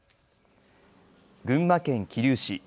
群馬県桐生市。